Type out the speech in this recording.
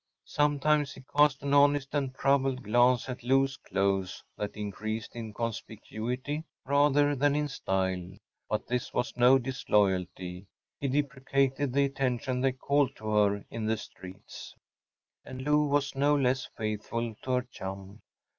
Sometimes he cast an honest and troubled glance at Lou’s clothes that increased in conspicuity rather than in style; but this was no disloyalty; he deprecated the attention they called to her in the streets. And Lou was no less faithful to her chum.